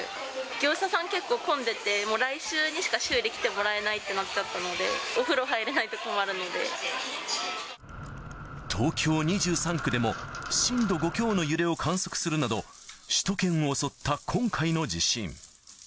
業者さん結構混んでて、もう来週にしか修理来てもらえないってなっちゃったので、お風呂東京２３区でも震度５強の揺れを観測するなど、首都圏を襲った今回の地震。